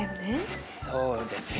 そうですね。